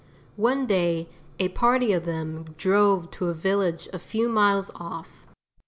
One day a party of them drove to a village a few miles off.